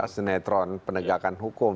senetron penegakan hukum